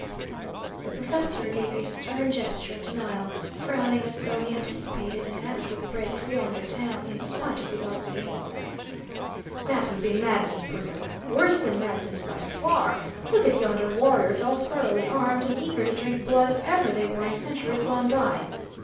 The professor gave a stern gesture of denial, frowning as though he anticipated an actual break for yonder town, in spite of the odds against them. "That would be madness, Bruno! Worse than madness, by far! Look at yonder warriors, all thoroughly armed, and eager to drink blood as ever they were in centuries gone by!